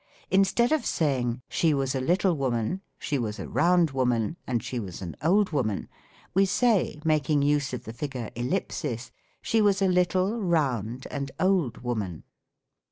In stead of saying, " She was a little woman, she was a round woman, and she was an old woman," we say, making use of the figure Ellipsis, " She was a little, round, and old woman."